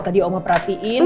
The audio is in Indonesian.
tadi oma perhatiin